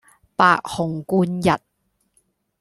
白虹貫日